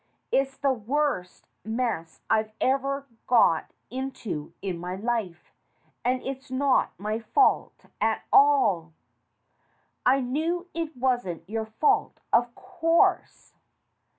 It's the worst mess I ever got into in my life, and it's not my fault at all." "I knew it wasn't your fault, of course."